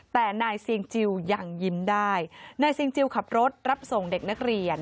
แต่นายเซียงจิลยังยิ้มได้นายเซียงจิลขับรถรับส่งเด็กนักเรียน